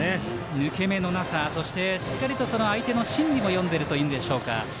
抜け目のなさしっかりと相手の心理を読んでいるというんでしょうか。